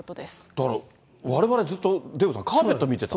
だからわれわれ、ずっとカーペット見てた？